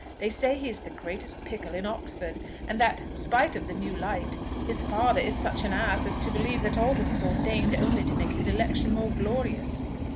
They say he is the greatest Pickle in Oxford; and that, spite of the new light, his father is such an ass as to believe that all this is ordained only to make his election more glorious."